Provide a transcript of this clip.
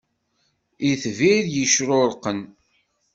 Itbir yecrurqen.